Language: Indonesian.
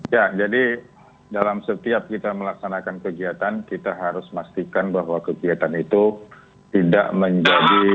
ya jadi dalam setiap kita melaksanakan kegiatan kita harus memastikan bahwa kegiatan itu tidak menjadi